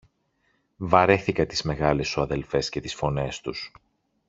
Βαρέθηκα τις μεγάλες σου αδελφές και τις φωνές τους!